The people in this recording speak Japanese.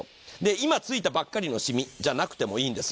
今、ついたばっかりの染みじゃなくてもいいんです。